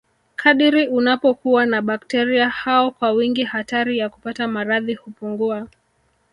kadiri unapokuwa na bakteria hao kwa wingi hatari ya kupata maradhi hupungua